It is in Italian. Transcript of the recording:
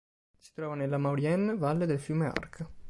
Si trova nella Maurienne, valle del fiume Arc.